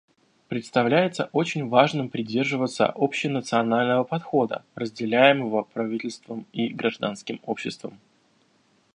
Представляется очень важным придерживаться общенационального подхода, разделяемого правительством и гражданским обществом.